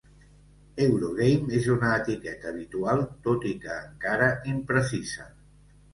Eurogame és una etiqueta habitual, tot i que encara imprecisa.